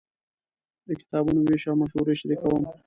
د کتابونو وېش او مشورې شریکوم.